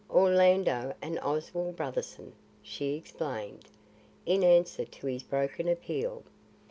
"Orlando and Oswald Brotherson," she explained, in answer to his broken appeal.